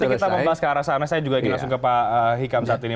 sebelum nanti kita membahas kearasannya saya juga langsung ke pak hikam saat ini